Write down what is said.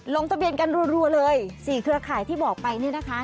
ลงทะเบียนกันรวดรวมเลยถี่เวลา๔เคลือข่ายที่บอกไปนี่นะคะ